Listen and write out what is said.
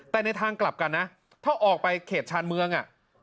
แต่ในทางกลับกันนะถ้าออกไปเขตชาญเมือง